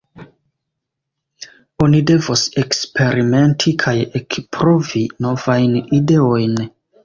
Oni devos eksperimenti kaj ekprovi novajn ideojn.